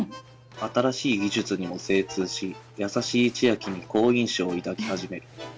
新しい技術にも精通し優しい千秋に好印象を抱き始める